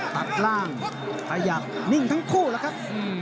ตัดล่างขยับนิ่งทั้งคู่แล้วครับ